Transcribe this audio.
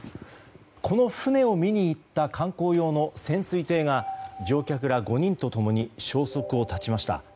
この船を見に行った観光用の潜水艇が乗客ら５人と共に消息を絶ちました。